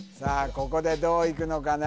ここでどういくのかな？